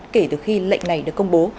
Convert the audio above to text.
kể từ khi lệnh này được công bố